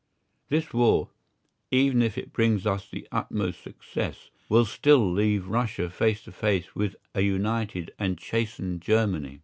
This war, even if it brings us the utmost success, will still leave Russia face to face with a united and chastened Germany.